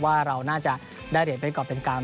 ว่าเราน่าจะได้เหรียญเป็นกรอบเป็นกรรม